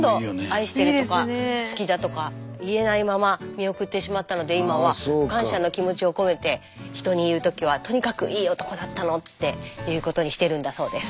愛してるとか好きだとか言えないまま見送ってしまったので今は感謝の気持ちを込めて人に言うときはとにかくいい男だったのって言うことにしてるんだそうです。